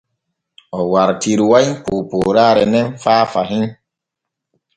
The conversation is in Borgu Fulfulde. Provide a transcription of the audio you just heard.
O wartiruway poopooraare nen faa fahin.